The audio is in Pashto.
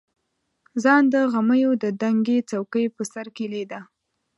ځان د غمیو د دنګې څوکې په سر کې لیده.